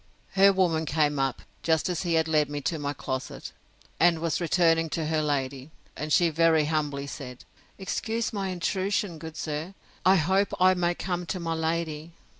Her woman came up, just as he had led me to my closet, and was returning to her lady; and she very humbly said, Excuse my intrusion, good sir!—I hope I may come to my lady.